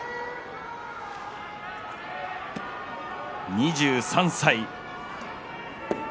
２３歳。